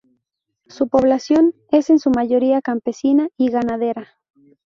Su población es en su mayoría campesina y ganadera.